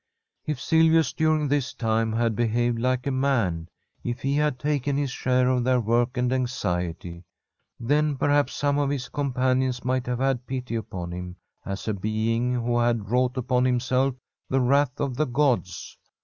If Silvius during this time had behaved like a man, if he had taken his share of their work and anxiety, then perhaps some of his companions Tbi Forest QUEEN might have had pity upon him as a being who had brought upon himself the wrath of the gods.